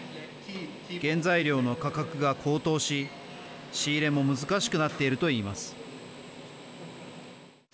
原材料の価格が高騰し仕入れも難しくなっていると言います。